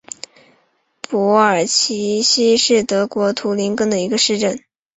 珀尔齐希是德国图林根州的一个市镇。